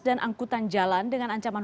dan angkutan jalan dengan ancaman